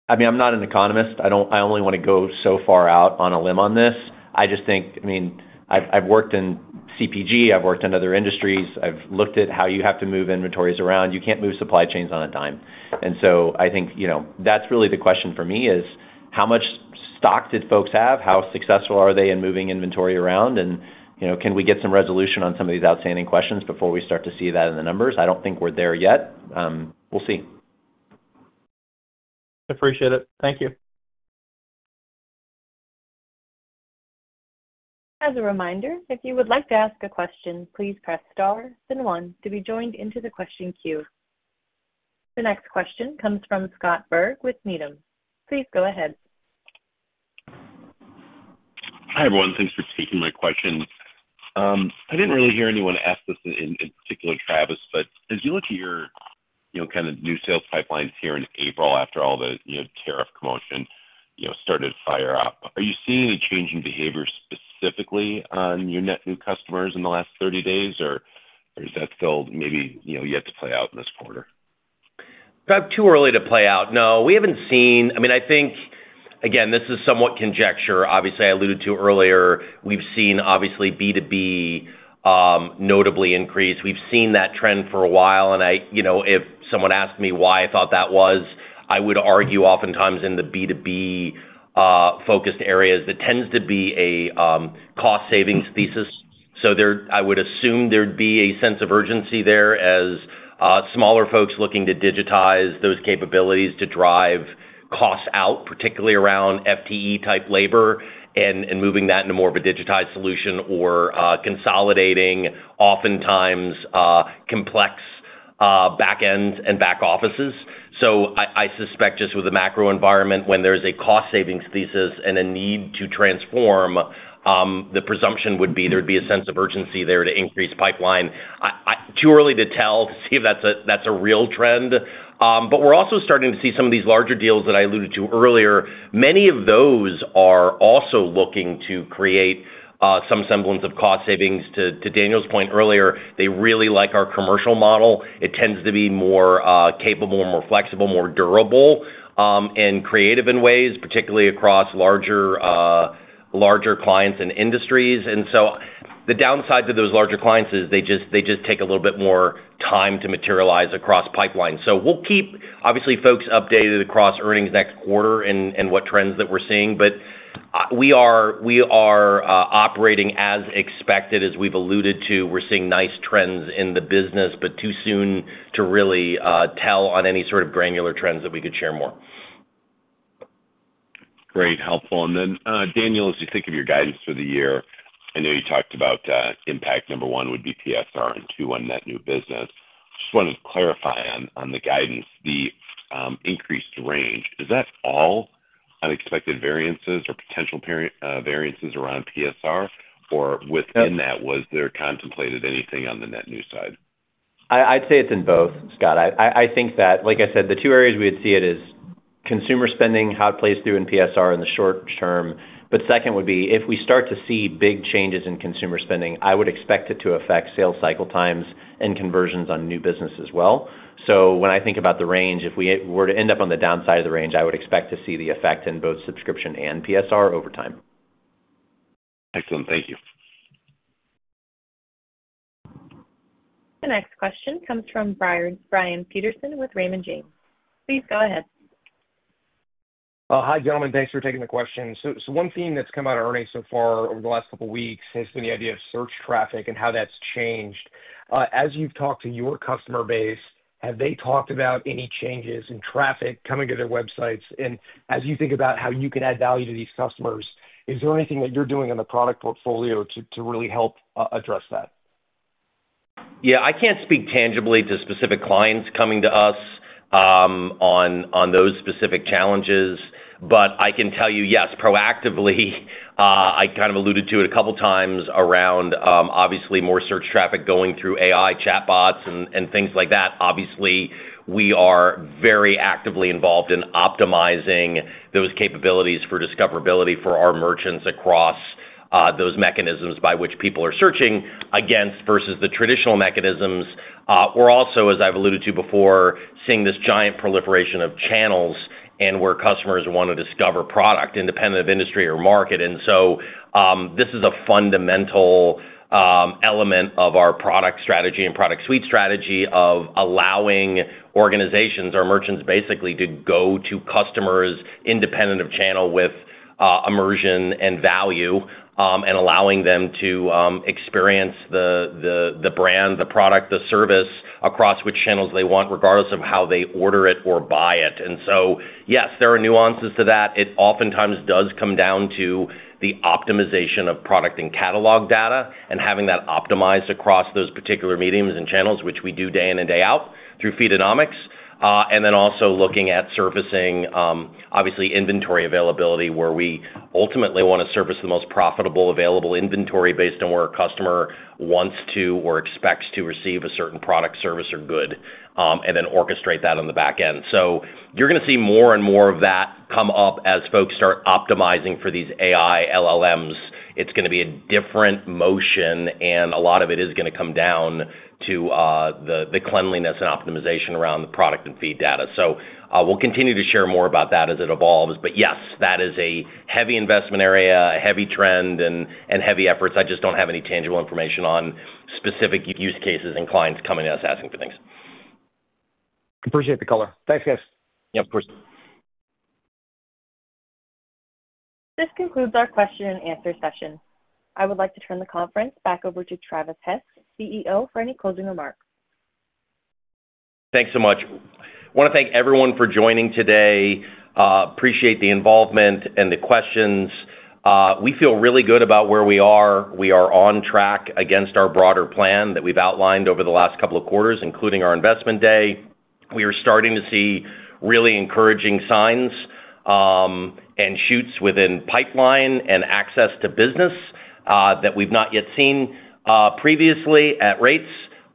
D: I mean, I'm not an economist. I only want to go so far out on a limb on this. I just think, I mean, I've worked in CPG. I've worked in other industries. I've looked at how you have to move inventories around. You can't move supply chains on a dime. I think that's really the question for me is how much stock did folks have? How successful are they in moving inventory around? Can we get some resolution on some of these outstanding questions before we start to see that in the numbers? I don't think we're there yet. We'll see.
L: Appreciate it. Thank you.
A: As a reminder, if you would like to ask a question, please press star then one to be joined into the question queue. The next question comes from Scott Berg with Needham. Please go ahead.
M: Hi everyone. Thanks for taking my question. I did not really hear anyone ask this in particular, Travis, but as you look at your kind of new sales pipelines here in April after all the tariff commotion started to fire up, are you seeing any change in behavior specifically on your net new customers in the last 30 days, or is that still maybe yet to play out in this quarter?
C: Too early to play out. No, we haven't seen. I mean, I think, again, this is somewhat conjecture. Obviously, I alluded to earlier, we've seen obviously B2B notably increase. We've seen that trend for a while. If someone asked me why I thought that was, I would argue oftentimes in the B2B-focused areas, there tends to be a cost-savings thesis. I would assume there'd be a sense of urgency there as smaller folks looking to digitize those capabilities to drive costs out, particularly around FTE-type labor, and moving that into more of a digitized solution or consolidating oftentimes complex backends and back offices. I suspect just with the macro environment, when there's a cost-savings thesis and a need to transform, the presumption would be there'd be a sense of urgency there to increase pipeline. Too early to tell to see if that's a real trend. We are also starting to see some of these larger deals that I alluded to earlier. Many of those are also looking to create some semblance of cost savings. To Daniel's point earlier, they really like our commercial model. It tends to be more capable, more flexible, more durable, and creative in ways, particularly across larger clients and industries. The downside to those larger clients is they just take a little bit more time to materialize across pipeline. We will keep, obviously, folks updated across earnings next quarter and what trends that we are seeing. We are operating as expected. As we have alluded to, we are seeing nice trends in the business, but too soon to really tell on any sort of granular trends that we could share more.
M: Great. Helpful. Daniel, as you think of your guidance for the year, I know you talked about impact number one would be PSR and two on net new business. I just wanted to clarify on the guidance, the increased range. Is that all unexpected variances or potential variances around PSR? Or within that, was there contemplated anything on the net new side?
D: I'd say it's in both, Scott. I think that, like I said, the two areas we would see it is consumer spending, how it plays through in PSR in the short term. Second would be if we start to see big changes in consumer spending, I would expect it to affect sales cycle times and conversions on new business as well. When I think about the range, if we were to end up on the downside of the range, I would expect to see the effect in both subscription and PSR over time.
M: Excellent. Thank you.
A: The next question comes from Brian Peterson with Raymond James. Please go ahead.
N: Hi, gentlemen. Thanks for taking the question. One theme that's come out of earnings so far over the last couple of weeks has been the idea of search traffic and how that's changed. As you've talked to your customer base, have they talked about any changes in traffic coming to their websites? As you think about how you can add value to these customers, is there anything that you're doing in the product portfolio to really help address that?
C: Yeah. I can't speak tangibly to specific clients coming to us on those specific challenges, but I can tell you, yes, proactively. I kind of alluded to it a couple of times around, obviously, more search traffic going through AI chatbots and things like that. Obviously, we are very actively involved in optimizing those capabilities for discoverability for our merchants across those mechanisms by which people are searching against versus the traditional mechanisms. We're also, as I've alluded to before, seeing this giant proliferation of channels and where customers want to discover product independent of industry or market. This is a fundamental element of our product strategy and product suite strategy of allowing organizations, our merchants basically, to go to customers independent of channel with immersion and value and allowing them to experience the brand, the product, the service across which channels they want regardless of how they order it or buy it. Yes, there are nuances to that. It oftentimes does come down to the optimization of product and catalog data and having that optimized across those particular mediums and channels, which we do day in and day out through Feedonomics. Also, looking at servicing, obviously, inventory availability where we ultimately want to service the most profitable available inventory based on where a customer wants to or expects to receive a certain product, service, or good, and then orchestrate that on the back end. You're going to see more and more of that come up as folks start optimizing for these AI LLMs. It's going to be a different motion, and a lot of it is going to come down to the cleanliness and optimization around the product and feed data. We'll continue to share more about that as it evolves. Yes, that is a heavy investment area, a heavy trend, and heavy efforts. I just don't have any tangible information on specific use cases and clients coming to us asking for things.
N: Appreciate the color. Thanks, guys.
C: Yep. Of course.
A: This concludes our question-and-answer session. I would like to turn the conference back over to Travis Hess, CEO, for any closing remarks.
C: Thanks so much. I want to thank everyone for joining today. Appreciate the involvement and the questions. We feel really good about where we are. We are on track against our broader plan that we've outlined over the last couple of quarters, including our investment day. We are starting to see really encouraging signs and shoots within pipeline and access to business that we've not yet seen previously at rates.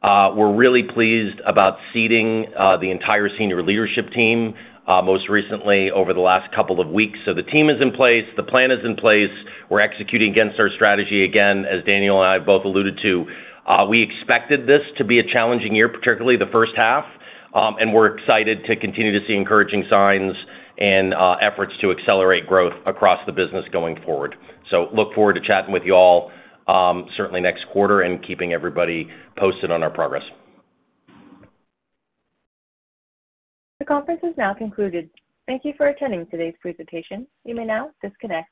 C: We're really pleased about seating the entire senior leadership team most recently over the last couple of weeks. The team is in place. The plan is in place. We're executing against our strategy again, as Daniel and I have both alluded to. We expected this to be a challenging year, particularly the first half, and we're excited to continue to see encouraging signs and efforts to accelerate growth across the business going forward. Look forward to chatting with you all certainly next quarter and keeping everybody posted on our progress.
A: The conference has now concluded. Thank you for attending today's presentation. You may now disconnect.